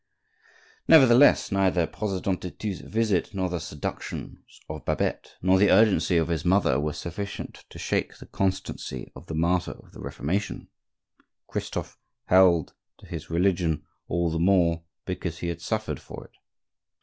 Nevertheless, neither President de Thou's visit, nor the seductions of Babette, nor the urgency of his mother, were sufficient to shake the constancy of the martyr of the Reformation. Christophe held to his religion all the more because he had suffered for it.